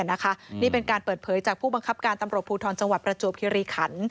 นี่เป็นการเปิดเผยจากผู้บังคับการตำรวจภูทรจังหวัดประจวบคิริขัน